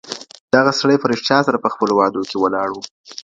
دغه سړی په رښتیا سره په خپلو وعدو کي ولاړ و.